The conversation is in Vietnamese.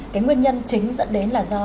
cái nguyên nhân chính dẫn đến là do